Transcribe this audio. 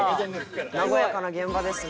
「和やかな現場ですね」